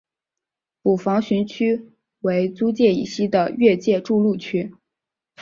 捕房巡区为租界以西的越界筑路区。